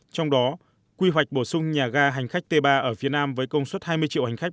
trong đó quy hoạch bổ sung nhà ga hành khách t ba ở phía nam với công suất hai mươi triệu hành khách